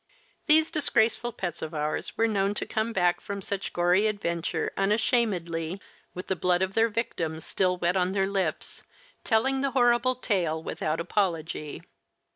These disgraceful pets of ours were known to come back from such gory adventure, unshamedly, with the blood of their victims still wet on their lips, telling the horrible tale without apology.